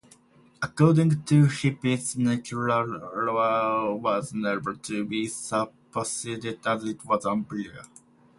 According to Hippias, natural law was never to be superseded as it was universal.